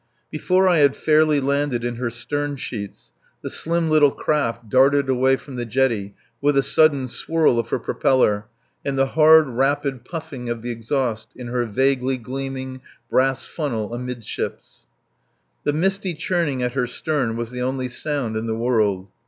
Before I had fairly landed in her sternsheets the slim little craft darted away from the jetty with a sudden swirl of her propeller and the hard, rapid puffing of the exhaust in her vaguely gleaming brass funnel amidships. The misty churning at her stern was the only sound in the world.